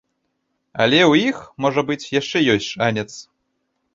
Але ў іх, можа быць, яшчэ ёсць шанец.